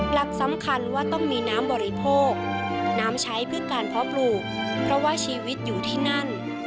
หลักสำคัญว่าต้องมีน้ำบริโภคน้ำใช้เพื่อการเพาะปลูกเพราะว่าชีวิตอยู่ที่นั่น